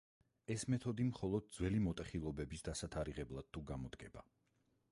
ეს მეთოდი მხოლოდ ძველი მოტეხილობების დასათარიღებლად თუ გამოდგება.